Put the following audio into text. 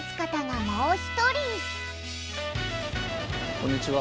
こんにちは。